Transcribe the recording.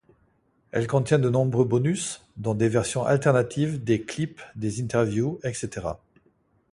Elle contient de nombreux bonus, dont des versions alternatives des clips, des interviews, etc.